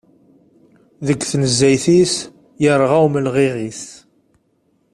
Deg tnezzayt-is, yerɣa umelɣiɣ-is.